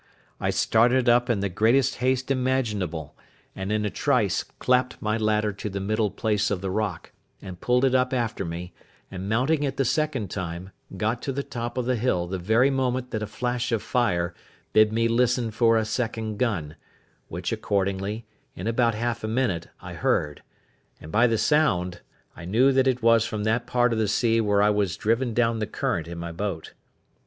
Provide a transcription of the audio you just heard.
I started up in the greatest haste imaginable; and, in a trice, clapped my ladder to the middle place of the rock, and pulled it after me; and mounting it the second time, got to the top of the hill the very moment that a flash of fire bid me listen for a second gun, which, accordingly, in about half a minute I heard; and by the sound, knew that it was from that part of the sea where I was driven down the current in my boat.